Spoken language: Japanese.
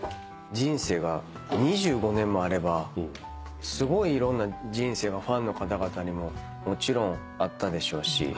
人生が２５年もあればすごいいろんな人生がファンの方々にももちろんあったでしょうし